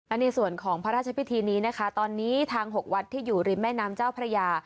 อันนี้ส่วนของพระราชพิธีนี้นะคะตอนนี้ทาง๖วัดที่อยู่ริมแม่น้ำเจ้าพระยา